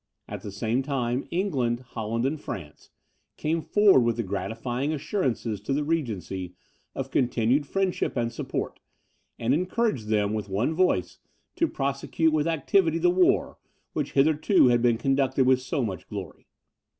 At the same time, England, Holland, and France came forward with the gratifying assurances to the regency of continued friendship and support, and encouraged them, with one voice, to prosecute with activity the war, which hitherto had been conducted with so much glory.